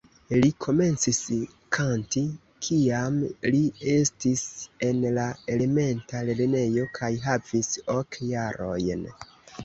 Li komencis kanti kiam li estis en la elementa lernejo kaj havis ok jarojn.